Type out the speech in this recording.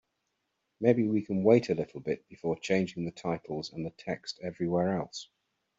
Maybe we can wait a little bit before changing the titles and the text everywhere else?